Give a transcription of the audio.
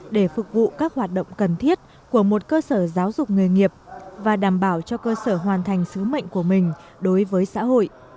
để phục vụ các hoạt động cần thiết của một cơ sở giáo dục nghề nghiệp và đảm bảo cho cơ sở hoàn thành sứ mệnh của mình đối với xã hội